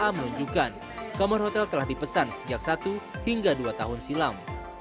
menunjukkan kamar hotel telah dipesan sejak satu hingga dua tahun silam